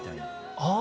ああ。